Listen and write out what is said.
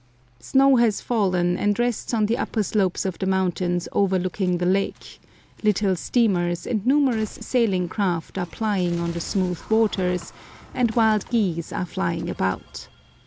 Snow has fallen and rests on the upper slopes of the mountains overlooking the lake, little steamers and numerous sailing craft are plying on the smooth waters, and wild geese are flying about.